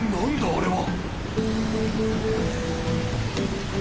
あれは。